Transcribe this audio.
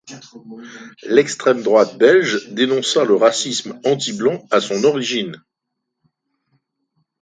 L'extrême-droite belge dénonça le racisme antiblanc à son origine.